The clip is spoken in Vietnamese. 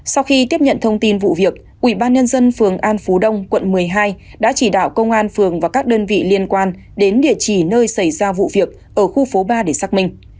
sau khi tiếp nhận thông tin vụ việc ủy ban nhân dân phường an phú đông quận một mươi hai đã chỉ đạo công an phường và các đơn vị liên quan đến địa chỉ nơi xảy ra vụ việc ở khu phố ba để xác minh